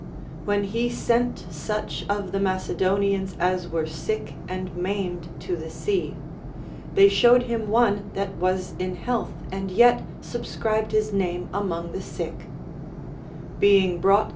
AVhen he sent such of the Macedonians as were sick and maimed to the sea, they showed him one that Avas in health and yet subscribed his name among the sick ; being brought into * II.